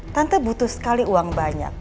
tante butuh sekali uang banyak